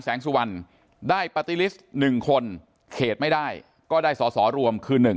สุวรรณได้ปาร์ตี้ลิสต์๑คนเขตไม่ได้ก็ได้สอสอรวมคือ๑